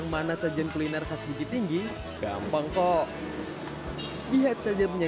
tidak bisa digabung yang kemudian harus di ngokokkan itu pavli beberapa kali di sini terlihat kayak